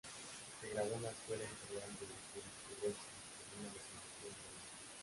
Se graduó en la Escuela Imperial de Jurisprudencia con una licenciatura en Derecho.